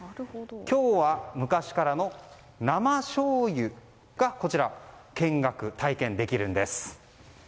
今日は、昔からのなましょうゆが見学・体験できるんです。